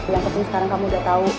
yang penting sekarang kamu udah tahu